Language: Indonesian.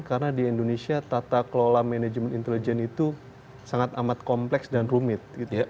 karena di indonesia tata kelola manajemen intelijen itu sangat amat kompleks dan rumit